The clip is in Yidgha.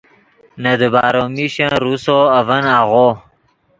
نے دیبارو میشن روسو اڤن آغو